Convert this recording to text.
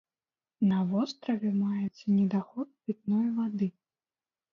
На востраве маецца недахоп пітной вады.